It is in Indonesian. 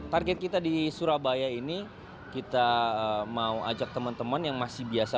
target kita di surabaya ini kita mau ajak teman teman yang masih biasa